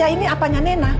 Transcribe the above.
pak suri ini apanya nena